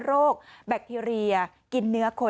แบคทีเรียกินเนื้อคน